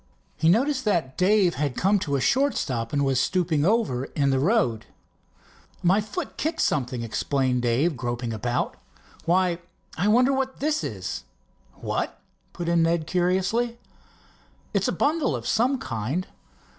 He noticed that Dave had come to a short stop and was stooping over in the road. "My foot kicked something," explained Dave, groping about. "Why, I wonder what this is?" "What?" put in Ned curiously. "It's a bundle of some kind."